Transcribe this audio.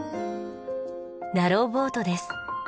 ナローボートです。